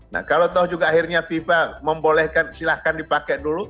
nah kalau toh juga akhirnya fifa membolehkan silahkan dipakai dulu